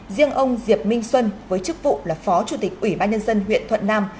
riêng ông diệp minh xuân với chức vụ là phó chủ tịch ủy ban nhân dân huyện thuận nam